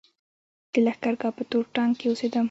د لښکرګاه په تور ټانګ کې اوسېدم.